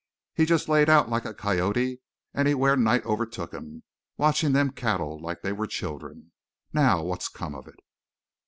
He just laid out like a coyote anywhere night overtook him, watchin' them cattle like they were children. Now, what's come of it!"